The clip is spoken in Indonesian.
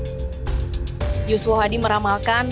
pada musim umumnya perusahaan masyarakat tidak bisa menghentikan kebenaran